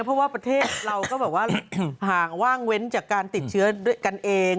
เพราะว่าประเทศเราก็แบบว่าห่างว่างเว้นจากการติดเชื้อด้วยกันเอง